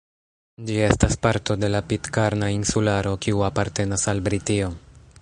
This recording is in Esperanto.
Ĝi estas parto de la Pitkarna Insularo, kiu apartenas al Britio.